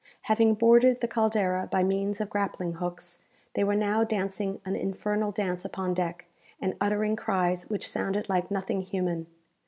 Having boarded the "Caldera" by means of grappling hooks, they were now dancing an infernal dance upon deck, and uttering cries which sounded like nothing human.